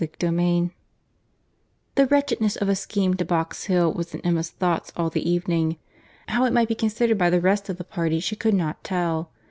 CHAPTER VIII The wretchedness of a scheme to Box Hill was in Emma's thoughts all the evening. How it might be considered by the rest of the party, she could not tell.